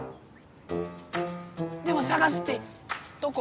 でもさがすってどこを？